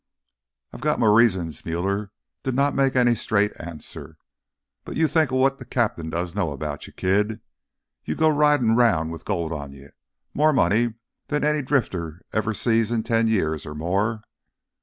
"I got m' reasons." Muller did not make any straighter answer. "But you think o' what th' cap'n does know about you, kid. You go ridin' 'round with gold on you—more money than any drifter ever sees in ten years or more.